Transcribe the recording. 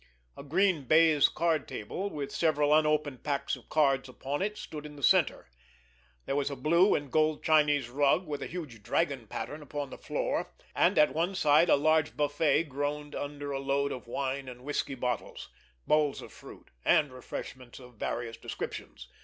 A green baize card table, with several unopened packs of cards upon it, stood in the center; there was a blue and gold Chinese rug with a huge dragon pattern upon the floor; and at one side a large buffet groaned under a load of wine and whisky bottles, bowls of fruit, and refreshments of various descriptions.